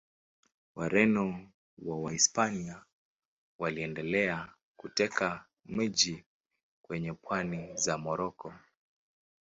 Wareno wa Wahispania waliendelea kuteka miji kwenye pwani za Moroko.